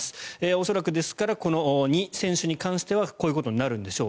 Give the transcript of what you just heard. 恐らく、ですからこの２選手に関してはこういうことになるんでしょう。